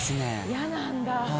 嫌なんだ。